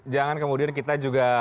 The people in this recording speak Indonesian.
jangan kemudian kita juga